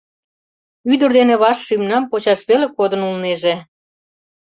Ӱдыр дене ваш шӱмнам почаш веле кодын улнеже.